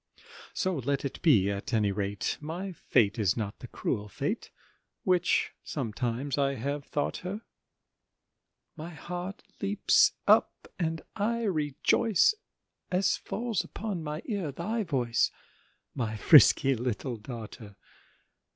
So let it be, at any rate My Fate is not the cruel Fate Which sometimes I have thought her: My heart leaps up, and I rejoice As falls upon my ear thy voice, My frisky little daughter.